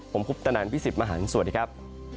ผมคุบตนันพี่สิบมหาลสวัสดีครับ